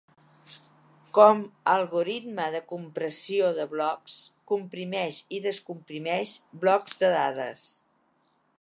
Com algoritme de compressió de blocs, comprimeix i descomprimeix blocs de dades.